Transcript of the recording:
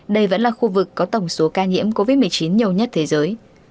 đây vẫn là khu vực có tổng số ca nhiễm covid một mươi chín nhiều nhất thế giới